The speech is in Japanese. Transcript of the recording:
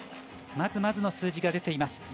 まずまずの数字が出ています。